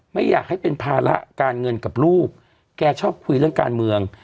ไม่อยากให้เป็นภาระการเงินกับลูกแกชอบคุยเรื่องการเมือง